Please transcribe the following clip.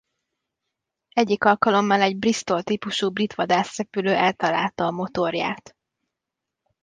Egyik alkalommal egy Bristol típusú brit vadászrepülő eltalálta a motorját.